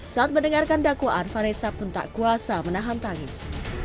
saat mendengarkan dakwaan vanessa pun tak kuasa menahan tangis